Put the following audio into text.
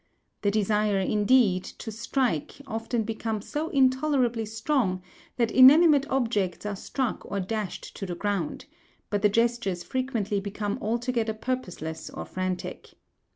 The desire, indeed, to strike often becomes so intolerably strong, that inanimate objects are struck or dashed to the ground; but the gestures frequently become altogether purposeless or frantic.